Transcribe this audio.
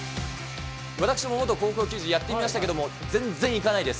私も元高校球児、やっていましたけども、全然いかないです。